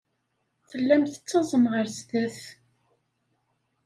Tellam tettaẓem ɣer sdat.